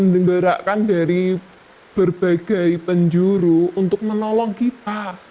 menggerakkan dari berbagai penjuru untuk menolong kita